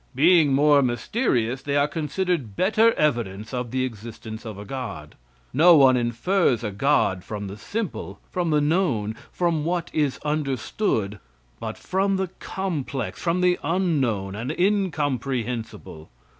Being more mysterious, they are considered better evidence of the existence of a god. No one infers a god from the simple, from the known, from what is understood, but from the complex, from the unknown and incomprehensible.